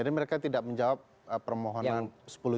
jadi mereka tidak menjawab permohonan sepuluh juni